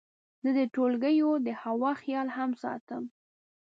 زه د ټولګیو د هوا خیال هم ساتم.